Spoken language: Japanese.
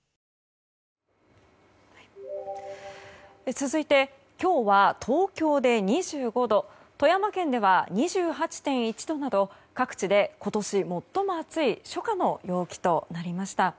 続いて今日は、東京で２５度富山県では２８．１度など各地で今年最も暑い初夏の陽気となりました。